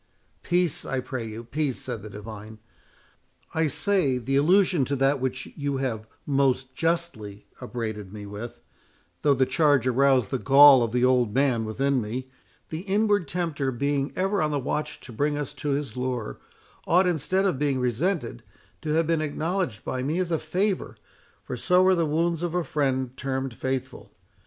"Peace, I pray you, peace," said the divine; "I say, the allusion to that which you have most justly upbraided me with—though the charge aroused the gall of the old man within me, the inward tempter being ever on the watch to bring us to his lure—ought, instead of being resented, to have been acknowledged by me as a favour, for so are the wounds of a friend termed faithful.